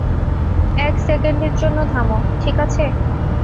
এক সেকেন্ডের জন্য থামো, ঠিক আছে?